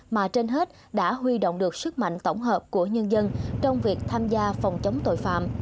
mà trên hết đã huy động được sức mạnh tổng hợp của nhân dân trong việc tham gia phòng chống tội phạm